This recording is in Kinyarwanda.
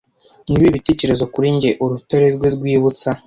Ni ibihe bitekerezo kuri njye urutare rwe rwibutsa,